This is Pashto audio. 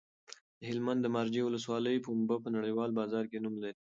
د هلمند د مارجې ولسوالۍ پنبه په نړیوال بازار کې نوم لري.